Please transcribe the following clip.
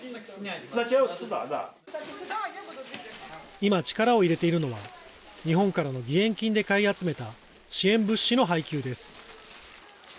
今、力を入れているのは、日本からの義援金で買い集めた支援物資の配給です。